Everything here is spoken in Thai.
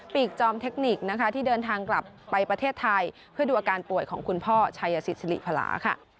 กจอมเทคนิคนะคะที่เดินทางกลับไปประเทศไทยเพื่อดูอาการป่วยของคุณพ่อชัยสิทธิพลาค่ะ